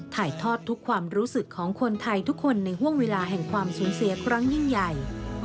ถ่ายทอดทุกความรู้สึกของคนไทยทุกคนในห่วงเวลาแห่งความสูญเสียครั้งยิ่งใหญ่